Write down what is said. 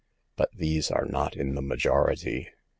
But these are not in the majority.